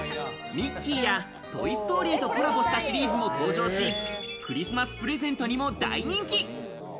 ミッキーや『トイ・ストーリー』とコラボしたシリーズも登場し、クリスマスプレゼントにも大人気。